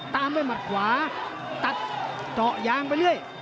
ตามด้วยหมัดขวาตัดเจาะยางไปเรื่อย